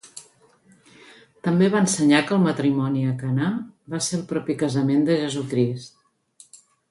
També va ensenyar que el matrimoni a Canà va ser el propi casament de Jesucrist.